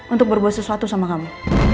untuk berbuat sesuatu sama kamu